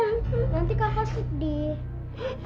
nanti kakak sedih